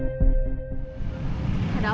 komar itu penjahat